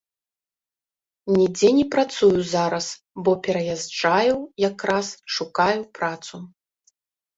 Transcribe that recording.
Нідзе не працую зараз, бо пераязджаю якраз, шукаю працу.